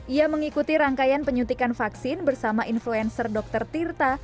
ia mengikuti rangkaian penyuntikan vaksin bersama influencer dr tirta